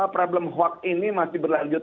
problem hoax ini masih berlanjut